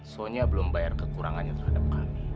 sonya belum bayar kekurangannya terhadap kami